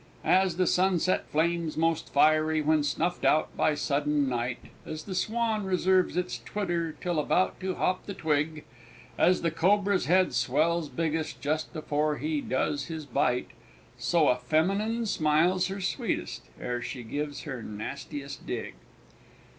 As the Sunset flames most fiery when snuffed out by sudden night; As the Swan reserves its twitter till about to hop the twig; As the Cobra's head swells biggest just before he does his bite; So a feminine smiles her sweetest ere she gives her nastiest dig.